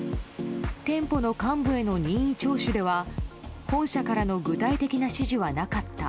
店舗の幹部への任意聴取では本社からの具体的な指示はなかった。